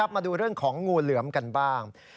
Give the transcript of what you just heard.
มาดูเรื่องของงูเหลือมกันบ้าง